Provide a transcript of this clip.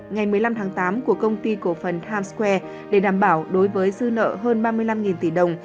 ngày một mươi năm tháng tám của công ty cổ phần times square để đảm bảo đối với dư nợ hơn ba mươi năm tỷ đồng